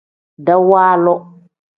Dawaalu.